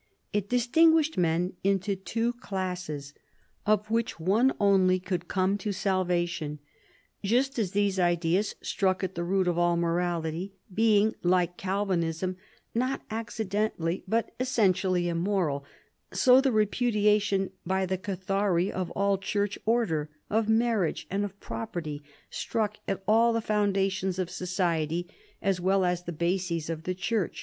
It distinguished men into two classes, of which one only could come to salvation. Just as these ideas struck at the root of all morality, being, like Calvinism, not accidentally but essentially immoral, so the repudiation by the Cathari of all church order, of marriage, and of property struck at all the foundations of society as well as the bases of the church.